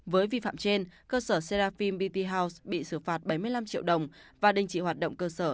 với vi phạm trên cơ sở serafim bt house bị xử phạt bảy mươi năm triệu đồng và đình chỉ hoạt động cơ sở